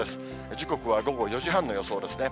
時刻は午後４時半の予想ですね。